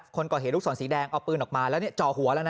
คนก่อเหตุลูกศรสีแดงเอาปืนออกมาแล้วจ่อหัวแล้วนะ